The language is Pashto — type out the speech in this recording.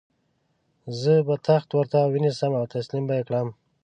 زه به تخت ورته ونیسم او تسلیم به یې کړم.